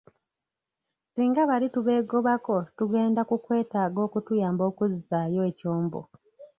Singa bali tubeegobako tugenda kukwetaaga okutuyamba okuzzaayo ekyombo.